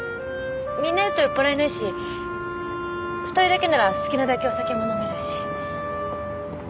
みんないると酔っ払えないし２人だけなら好きなだけお酒も飲めるし。